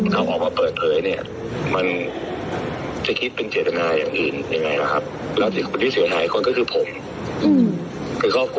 คือเขากลัวผมเขาไม่สนใจเรื่องคดีของคุณคุณค่ะ